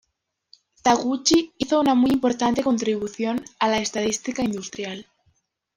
Taguchi hizo una muy importante contribución a la estadística industrial.